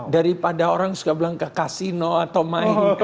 daripada orang suka bilang ke kasino atau main